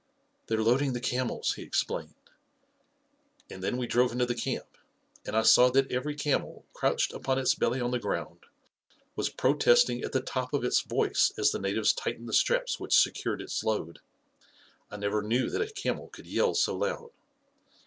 " They're loading the camels," he explained; and then we drove into the camp, and I saw that every camel, crouched upon its belly on the ground, was i A KING IN BABYLON 103 protesting at the top of its voice as the natives tightened the straps which secured its load. I never knew that a camel could yell so loud.